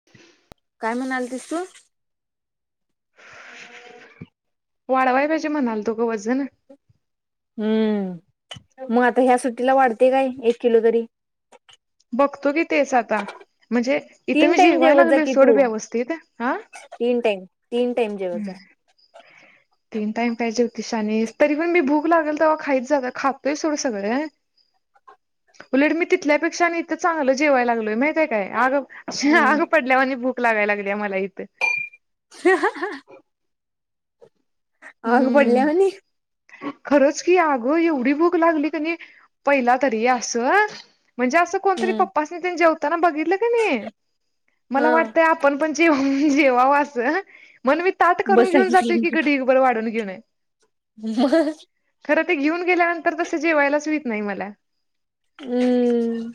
[unintelligible] काय म्हणालतीस तू? वाढवाय पाहिजे म्हणालतो ग वजन. हम्म, मग आता ह्या सुट्टीला वाढतय काय एक किलो तरी. बघतो की तेच आता म्हणजे, इथं तीन मी टाइम जेवय जेवत जा लागलोय की सोड तू व्यवस्थित, हा तीन टाइम तीन टाइम जेवत हम् जा. [unintelligible] तीन टाइम पाहिजे होतीिशानेस तरी पण मी भूक लागेल तर खाईच जात खातोय थोडं सगळं. उलट मी तिथल्यापेक्षा इथं चांगलं जेवायला लागलोय माहितय काय, आग हम्म आग पडल्यावर भूक लागाय लागल्या मला इथं. [unintelligible] आग हम्म पडल्यावानी. खरंच की अगं एवढी भूक लागली कनि पहिला तरी असं म्हणजे असं कोण तरी हम्म, पप्पासनी तेन जेवताना बघितलं कणी हा मला वाटय आपण पण जेवा जेवावा असं म्हणून मी ताट करून घेऊन जातोय, की ग ढीग बरं वाढून घेऊन. होय. खरं ते घेऊन गेल्यानंतर तसं जेवायलाच हुईत नाही मला. हम्म हम्म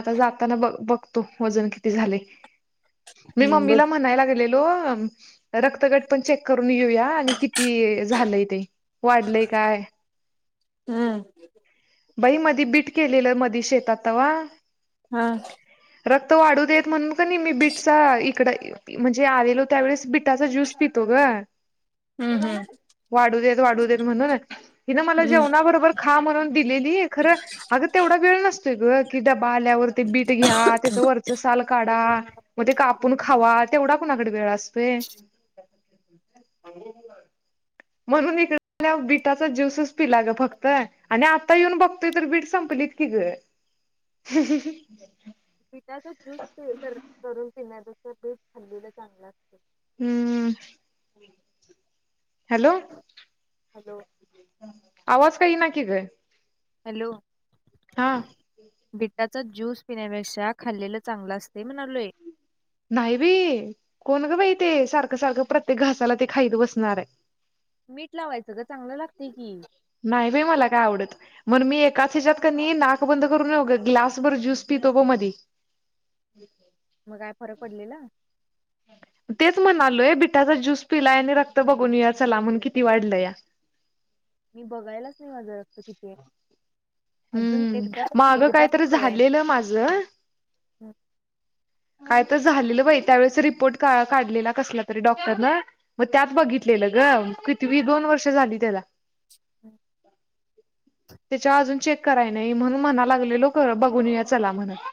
आता जाताना ब बघतो वजन किती झालय! मी हम्म बघ मम्मीला म्हणायला गेलेलो., रक्तगट पण चेक करून येऊया आणि किती झालंय ते वाढलय काय? हम्म बाई मधी बीट केलेलं मधी शेतात तवा हा. रक्त वाढू देत म्हणून का नाही मी बीटचा इकड्य म्हणजे आलेलो त्या वेळेस बिटाचा ज्यूस पितो गं. हम्म हम्म वाढू देत वाढू देत म्हणून ना हिनं मला हम्म जेवणाबरोबर खा म्हणून दिलेली खरं अगं तेवढा वेळ नस ते गं कि डबा आल्यावरती बीट घ्या त्याचं वरचं साल काढा म. ते कापून खावा तेवढा कोणाकडे वेळ अस फेय म्हणून इकडं ल्या बिटाचा ज्यूसच पिला गं फक्त आणि आता येऊन बघतोय तर बीट संपलीत की गं. बीटाचा ज्यूस ते तर करून पिण्या तसं पी खाल्लेलं चांगलं. हम्म हम्म. हॅलो. हॅलो. आवाज काही येई ना की गं. हॅलो. हां. बिटाचा ज्यूस पिण्यापेक्षा खाल्लेलं चांगलं असते म्हणालोय. नाही बी कोण गं बाई ते सारखं-सारखं प्रत्येक घासाला ते खाईत बसणार आहे. मीठ लावायचं गं चांगलं लागतय की. नाही बाई मला काय आवडत. मन मी एकाच हेज्यात क नी नाक बंद करून उगं ग्लासभर ज्यूस पितो ब मधी. [inaudible] मग काय फरक पडलेला? तेच म्हणालोय बिटाचा ज्यूस पिलाय आणि रक्त बघून येऊया चला म्हण किती वाढलं या. मी बघायलाच नाही माझा रक्त किती आहे अजून एकदा एकदा पण बघाय नी कलं माझं काय तर झालेलं बाई त्यावेेळेस रिपोर्ट का काढलेला कसला तरी डॉक्टरनं. म त्यात बघितलेलं गं कितवी दोन वर्ष झाली त्याला. त्याच्या अजून चेक कराय नाही म्हणून म्हणाय पर लागलेलो बघून येऊया चला म्हणत.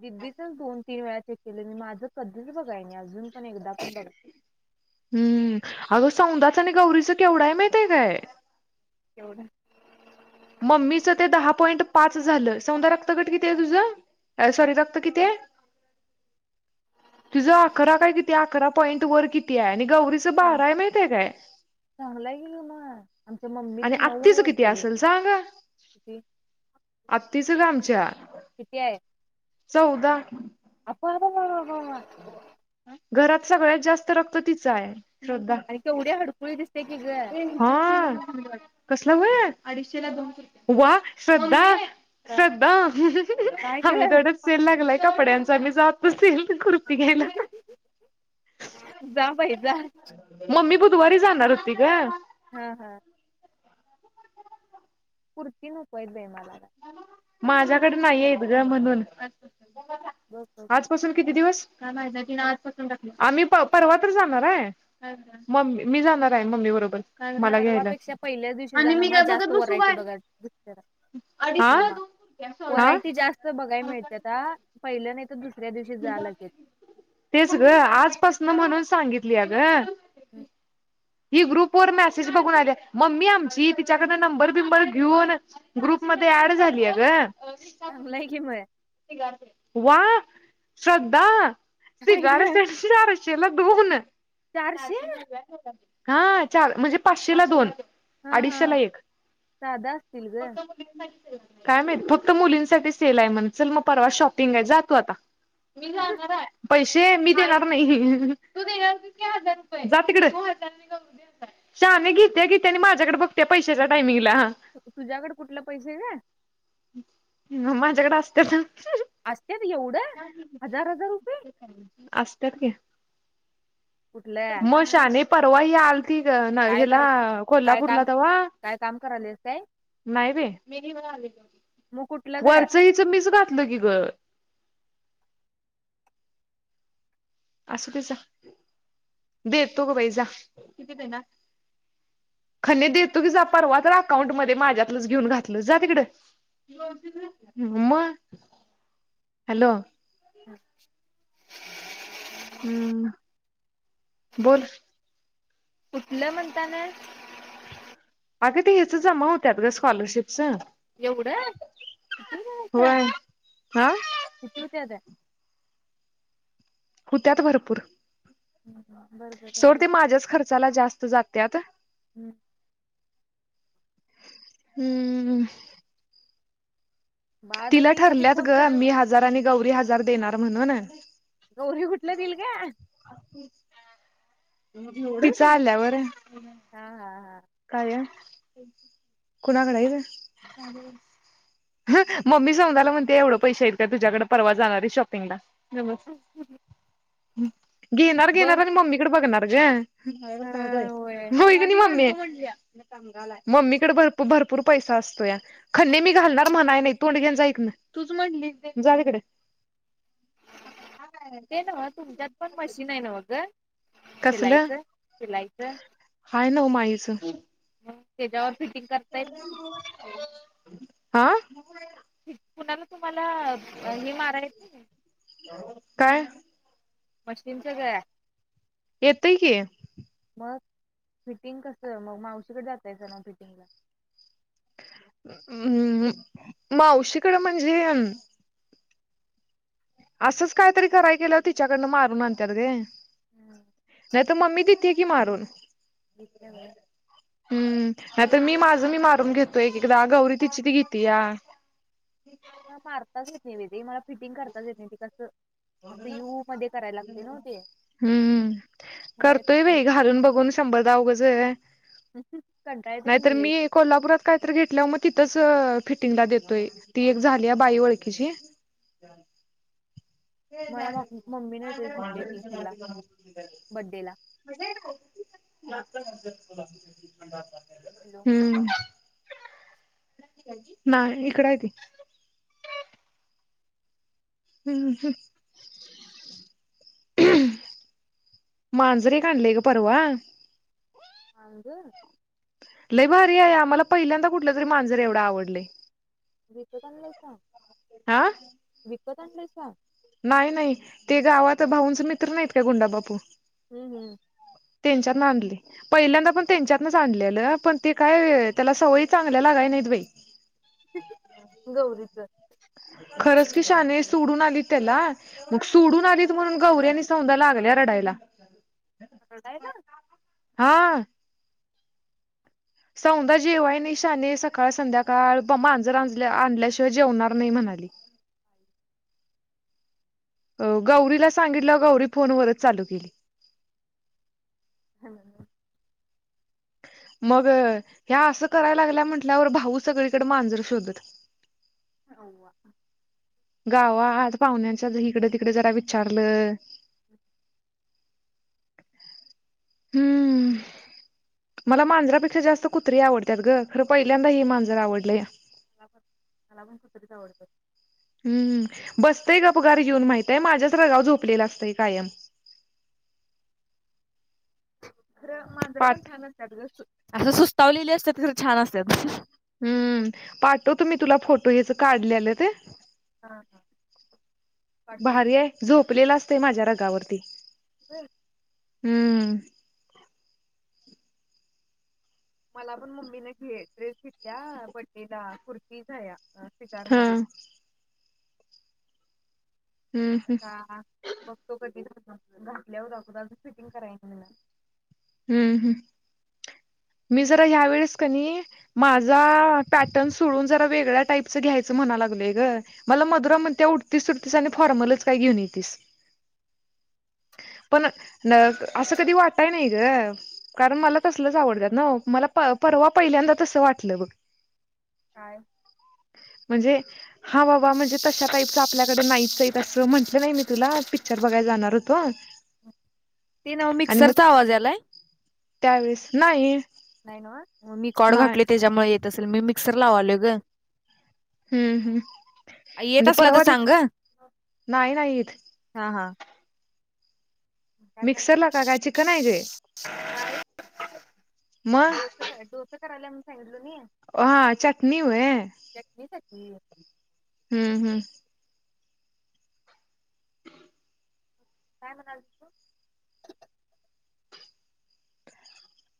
दीदीचा दोन-तीन वेळा चेक केले आणि माझं कधीच बघाय नाही अजून पण एकदा पण बघाय हम्म अगं सौंदळाचा आणि गौरीचा केवढा आहे माहितीये काय? केवढं मम्मीच ते दहा पॉईंट पाच झालं सौदा रक्तगट किती आहे तुझं? अ सॉरी रक्त किती आहे? तिजा अकरा काय किती अकरा पॉईंट वर किती आहे आणि गौरी चा चांग बारा आहे माहितीये काय चांगला आहे की मग आमच्या आणि मम्मीचं नऊ आहे आत्तीचा किती वाटतं बाई असल जा न किती अत्तीच गं आमच्या. किती चौदा [unintelligible] बाबा हा हा. घरात सगळ्यात जास्त रक्त तिचा आहे श्रद्धा केवढी हडकुळी दिसते की गं. हा कसलं वय अडीचशेला दोनशे रुपया वा श्रद्धा श्रद्धा काय ग हामी तेवढं सेल लागलाय कपड्यांचा मी जा मी जातो कुर्ती घ्यला जा बाई जा [unintelligible] मम्मी बुधवारी जाणार होती गं. हा हा कुर्ती नकोत बाई मला माझ्याकडे नाहीयेत गं म्हणून [inaudible] आजपासून किती दिवस काय माहित नाही आजपासून आम्ही परवा तर जाणार आहे. मम्मी मी जाणार आहे मम्मी बरोबर मला घ्यायला परवापेक्षा पहिल्याच दिवशी जाणा मग जास्त वरायटी बघाय भेटतील हा या हा वरायटी जास्त बघाय मिळत्याता आ पहिलं नाही तर दुसऱ्या दिवशी जा लगेच तेच गं आजपासन म्हणून सांगितलीया गं हम्म ही ग्रुप वर मेसेज बघून आली मम्मी आमची तिच्याकड नंबर बिंबर घेऊन ग्रुपमध्ये ऍड झालीया गं चांगल की मग वा श्रद्धा काय सिगार ग पॅन्ट चारशेला दोन चारशे हा चार म्हणजे पाचशे ला दोन हा हा अडीचशेला एक साधा असतील ग काय माहित फक्त मुलींसाठी सेल आहे म्हण चल मग परवा शॉपिंग आहे जा तु आता मी जाणार आहे. पैसे मी देणार नाही तू देणार हजार रुपये जा तिकडे शहाने घेत्या घित्या आणि माझ्याकडे बघत्या पैशाच्या टायमिंगला तुझ्याकडे कुठले पैसे ग? मग माझ्याकडे असते ना असतं एवढं हजार हजार रुपये? असतात की कुठल्या? मग शहाणे परवा हि आलती ती काय हेला कर काय कोल्हापूर ला काम तवा काय काम करायलेस काय नाही बाई मग कुठलं ग? मीच घातलो की ग असू ते जा दे तो ग बाई जा किती देणार? खन्नी देतो की जा परवा तर अकाउंट मध्ये माझ्यातलंच घेऊन घातलं जा तिकडं मग हॅलो हम् [unintelligible] हम्म बोल कुठलं म्हणताना? अगे ते ह्याच जमा होत्यात ग स्कॉलरशिपच एवढं किती हो होय हा किती होतात? होत्यात भरपूर हा बरं बरं सोड ते माझ्याच खर्चाला जास्त जातेत. हम्म हम्म. बाद तिला मी कधी ठरल्यात फोन गं करेल मी हजार आणि गौरी हजार देणार म्हणून. गौरी कुठलं दिल गं? तिच आल्यावर. हां हां हां. काय? कुणाकडं आहेत? मम्मी समताला म्हणते एवढं पैसे आहेत का तुझ्याकडं? परवा जाणारी शॉपिंगला. गप्प बस हा घेणार घेणार बघ आणि मम्मीकडे बघणार गं अ होय होय की नाही मम्मे मम्मीकड भरपूर भरपूर पैसा असतोया. खणी मी घालणार म्हणाय नाही तोंड घे आणि जा इकडंन, तूच म्हंटलीस ते, जा तिकडं. ते नव्हं तुमच्यात पण मशीन आहे नव्हं गं कसलं शिलाईच, शिलाईच? हाय नव्हं माईच. मग तेच्यावर फिटिंग करता येत नाही [unintelligible] आं पुण्याला तुम्हाला हे मारा येत नाही काय? मशीनच गं येतय की. मग फिटिंग कस मग मावशीकडे जातायसा नव्ह फिटिंगला? हम्म मावशीकडें म्हणजे असंच कायतरी कराय गेल्यावर तिच्याकडनं मारून आणत्यात गं, हम्म. नाही तर मम्मी दि त्या की मारून. दित्या व्हय? हम्म नाही तर मी माझं मी मारून घेतो, एक एकदा गौरी तिची ती घेत्या. मला मारताच येत नाही बाई ते मला फिटिंग करताच येत नाही ते कसं असं यू मध्ये करायला लागतंय नव्ह ते? हम्म मग करतोय बाई घालून बघून शंभरदा उगच कंटाळ येते की नाहीतर नाही लई मी कोल्हापुरात कायतरी घेतल्यावर मग तिथंच फिटिंगला देतोय ती एक झाल्या बाई ओळखीची. [unintelligible] मला म मम्मीने ड्रेस घेतल्या की हेला बड्डे ला. [unintelligible] हॅलो! हम्म, नाही इकड आहे ती. हम्म हम्म. मांजर एक आणलंय गं परवा. मांजर! लई भारी आहे आम्हाला पहिल्यांदा कुठलं तरी मांजर एवढं आवडलंय. विकत आणलाईसा? हा विकत आणलाईसा? नाही नाही ते गावात भाऊंच मित्र नाहीत का गुंडाबापू हम्म हम्म. त्यांच्यातन आणलंय. पहिल्यांदा पण त्यांच्यातनच आणलेलं पण ते काय त्याला सवयी चांगल्या लागाय नाहीत बाई. गौरीच खरंच की शाने सोडून आलीत त्याला. मग सोडून आलीत म्हणून गौऱ्यानी सौधा लागल्या रडायला. रडायला? हा. सौंदा जेवाय नाही शाने सकाळ संध्याकाळ मांजरआणल्याशिवाय जेवणार नाही म्हणाली. अ गौरीला सांगितलं गौरी फोनवरच चालू केली. हॅ मग ह्या असं करायला लागल्या म्हटल्यावर भाऊ सगळीकडे मांजरं शोधत. होवा गावता आड पाहुण्यांच्या इकडे तिकडे जरा विचारलं. हम्म. मला मांजरापेक्षा जास्त कुत्री आवडत ग खरं पहिल्यांदा ह मांजरं आवडलंय. मला पण मला पण कुठ तरीच आवडतं. हम्म बसतंय गपघार घेऊन माहितय माझ्याच रागाव झोपलेला असतंय कायम. खरं मांजरं पण पाठ छान असतात असं सुस्तावलेले असतात खरं छान असतात. हम्म पाठवतुम म्ही तुला फोटो याच काढलेलं ते. हा हा पाटव. भारी आहे झोपलेला असत माझ्या रगावरती हम. हम्म. मला पण मम्मी ड्रेस घेतल्या, बर्थडेला कुर्ती झाया शिकार हा मध हम्म हम्म आता बघतो कधी घातल्यावर अगद अजून फिटिंग करायन मला. हम्म हम् मी जरा ह्या वेळेस का नाही. माझा पॅटर्न सोडून जरा वेगळ्या टाईपचं घ्यायचं म्हणा लागलंय ग. मला मधुरा म्हणते उडतीस उडतीस आणि फॉर्मलच काय घेऊन येेतस. पण न असं कधी वाटय नाही. ग कारण मला तसलच आवडतात न मला परवा पहिल्यांदा तसं वाटलं बग [inaudible] काय? म्हणजे हा बाबा म्हणजे तशा टाईपचं आपल्याकडे नाहीच असं म्हटलं नाही मी तुला पिक्चर बघाय जाणार होती. बर, ते नव्ह मिक्सरचा आवाज यालाय. त्यावेेळेस नाही? नाही नव्ह मी कॉड नाही घातलय त्याच्यामुळे येत असेल मी मिक्सर लावालग हम्म हम्म म्हणजे परवा दिवशी सांग ग नाही नाहीत. हा हा? काय मिक्सरला का काय चिकन आहे गे म्हणालतीस काय ओ मग डोक? काय डोसं करायला म्हणुन सांगितलं मी. हा चटणी व्हय. चटणी साठी? हम्म हम्म, काय म्हणालीस तू,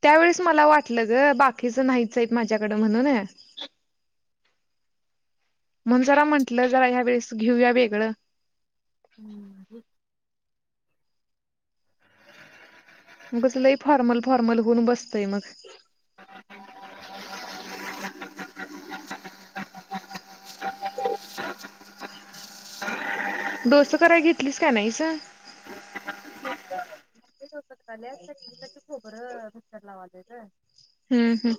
त्यावेेळेस मला वाटलं ग बाकीचं नाहीचत माझ्याकडें म्हणून. म्हणून जरा म्हंटलं जरा ह्या वेळेस घेऊया वेगळं. हम्म उगच लय फॉर्मल फॉर्मल होऊन बसतंय मग? [inaudible] [unintelligible] डोस कराय घेतलीस का नाहीसं? मम्मी डोस करायलिया त्याच्यासाठी खोबरे मिक्सरला लावलोय. हा हा..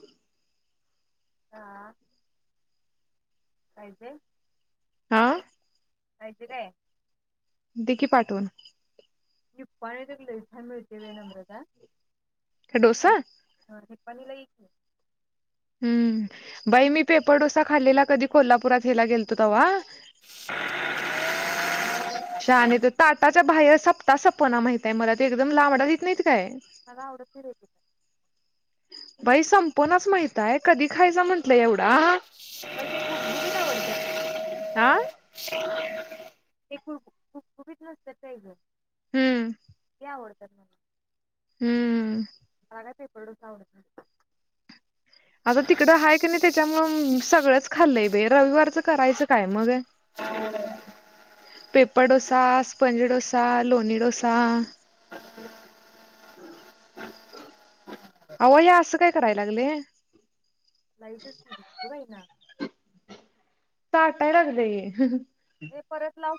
हा.. काय ते? आं? पाहजे काय? दि की पाठवून, निपाणीत तर लय छान मिळतय बाई नम्रता. काय डोसा? व्हय निपाणीला ये की. हम्म.. बाई मी पेपर डोसा खाल्लेला कधी कोल्हापुरात हेला गेलतो तेव्हा. [unintelligible] शहाणे तो ताटाच्या बाहेर सपता सपणा माहित आहे मला ते एकदम लांबडा देत नाहीत काय. मला आवडत नाही बाई ते. बाई संपनाच माहित आहे कधी खायच म्हंटलं एवढा. [unintelligible] ते हा गुब गुबगुबीत नसत्यात काय ग? हम्म.. ते आवडतात मला. हम्म.. मला काय पेपर डोसा आवडत नाही. आता तिकडं आहे का नाही त्याच्यामुळ सगळंच खाल्लंय बाई रविवारच करायचं काय मग. पेपर डोसा, स्पंज डोसा, लोणी डोसा. [unintelligible] आहों हे असं काय करायला लागलय? लाईटच गेली ग बाईना. ताटाय लागलंय हे ह? ये परत लावू.